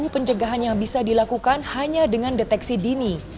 pencegahan yang bisa dilakukan hanya dengan deteksi dini